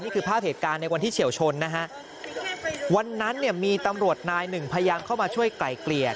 นี่คือภาพเหตุการณ์ในวันที่เฉียวชนนะฮะวันนั้นเนี่ยมีตำรวจนายหนึ่งพยายามเข้ามาช่วยไกล่เกลี่ย